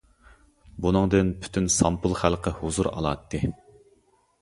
بۇنىڭدىن پۈتۈن سامپۇل خەلقى ھۇزۇر ئالاتتى.